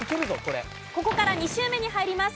ここから２周目に入ります。